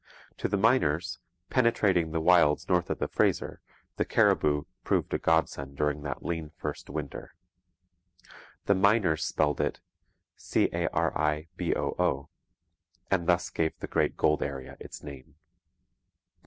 To the miners, penetrating the wilds north of the Fraser, the caribou proved a godsend during that lean first winter. The miners spelled it 'cariboo,' and thus gave the great gold area its name.